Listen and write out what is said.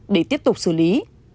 để tiếp tục xử lý